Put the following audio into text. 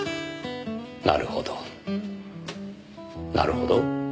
なるほどなるほど。